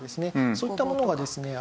そういったものがですね